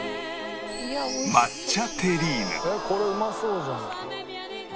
これうまそうじゃん。